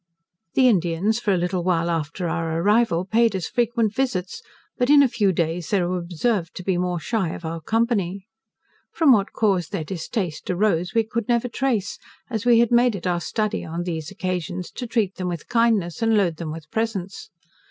The Indians for a little while after our arrival paid us frequent visits, but in a few days they were observed to be more shy of our company. From what cause their distaste: arose we never could trace, as we had made it our study, on these occasions, to treat them with kindness, and load them with presents.